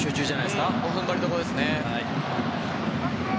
踏ん張りどころですね。